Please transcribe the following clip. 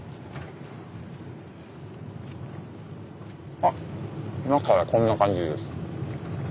あっ中はこんな感じです。